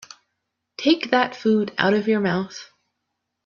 Take that food out of your mouth.